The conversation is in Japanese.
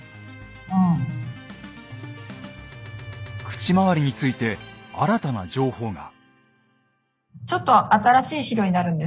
口周りについて新たな情報が。